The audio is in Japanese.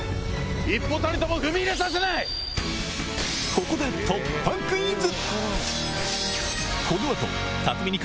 ここで突破クイズ！